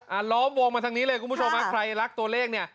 ล้อมวงมาทางนี้เลยคุณผู้ชมฮะใครรักตัวเลขเนี่ย